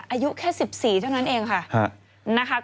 อายุแค่๑๔เท่านั้นเองค่ะนะคะ